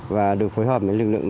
và được phối hợp với lực lượng